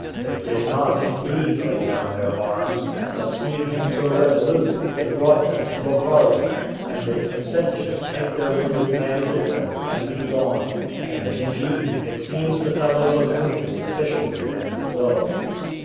They did not, indeed, lay down their arms, but seeing him so resolute, it brought them to a parley, and they consented to take their wounded man with them and be gone: and, indeed, it seems the fellow was wounded sufficiently with the blow.